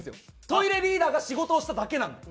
トイレリーダーが仕事をしただけなんで。